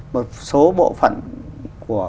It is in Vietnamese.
một số bộ phận của